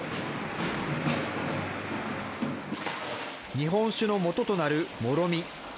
日本酒のもととなるもろみ。